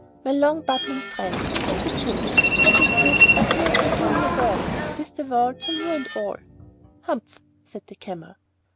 'My long and bubbling friend,' said the Djinn, 'what's this I hear of your doing no work, with the world so new and all?' 'Humph!' said the Camel.